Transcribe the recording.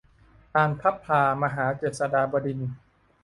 ลานพลับพลามหาเจษฎาบดินทร์